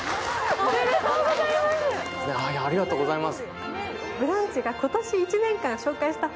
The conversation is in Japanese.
おめでとうございます。